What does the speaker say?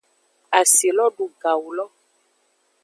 Asi lo du gawu lo.